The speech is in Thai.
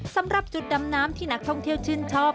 สำหรับจุดดำน้ำที่นักท่องเที่ยวชื่นชอบ